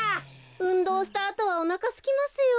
うんどうしたあとはおなかすきますよ。